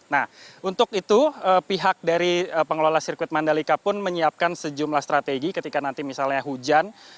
nah untuk itu pihak dari pengelola sirkuit mandalika pun menyiapkan sejumlah strategi ketika nanti misalnya hujan